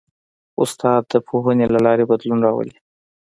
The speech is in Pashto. استاد د پوهنې له لارې بدلون راولي.